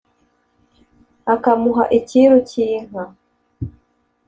akamuha icyiru cy’inka.